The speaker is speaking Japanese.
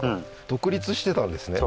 独立してたんですね